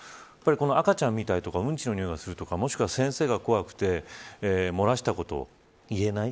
赤ちゃんみたいとかうんちの臭いがするとかもしくは先生が怖くて漏らしたことを言えない。